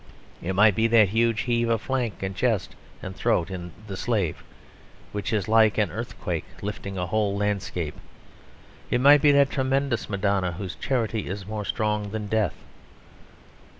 It might be that huge heave of flank and chest and throat in "The Slave," which is like an earthquake lifting a whole landscape; it might be that tremendous Madonna, whose charity is more strong than death.